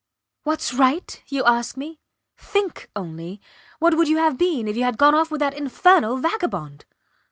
Whats right? you ask me. Think only. What would you have been if you had gone off with that infernal vagabond?